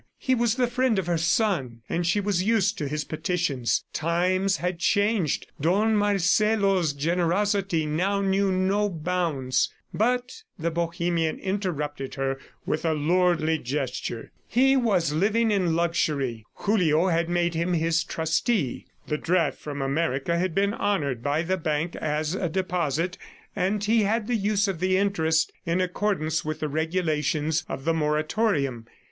He was the friend of her son, and she was used to his petitions. Times had changed; Don Marcelo's generosity now knew no bounds ... but the Bohemian interrupted her with a lordly gesture; he was living in luxury. Julio had made him his trustee. The draft from America had been honored by the bank as a deposit, and he had the use of the interest in accordance with the regulations of the moratorium.